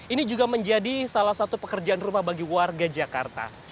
ini juga menjadi salah satu pekerjaan rumah bagi warga jakarta